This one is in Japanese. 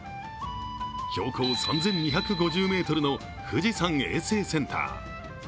標高３２５０ｍの富士山衛生センター。